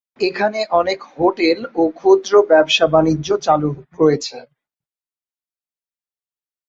এখানে অনেক হোটেল ও ক্ষুদ্র ব্যবসা-বাণিজ্য চালু রয়েছে।